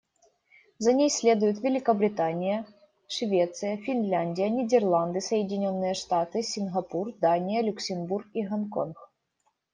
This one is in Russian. За ней следуют Великобритания, Швеция, Финляндия, Нидерланды, Соединённые Штаты, Сингапур, Дания, Люксембург и Гонконг.